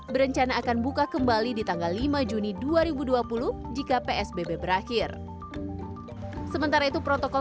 berencana akan buka kembali di tanggal lima juni dua ribu dua puluh jika psbb berakhir sementara itu protokol